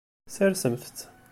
Sersemt-tt.